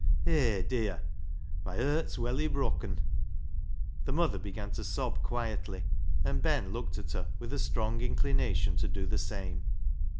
Hay, dear, my hert's welly brokken !" The mother began to sob quietly, and Ben looked at her with a strong inclination to do the same.